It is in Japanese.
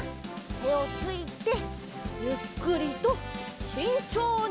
てをついてゆっくりとしんちょうに。